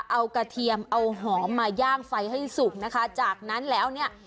เอากระเทียมเอาหอมมาย่างไฟให้สุกนะคะจากนั้นแล้วเนี่ย